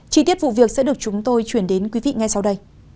chi tiết vụ việc sẽ được chúng tôi chuyển đến quý vị ngay sau đây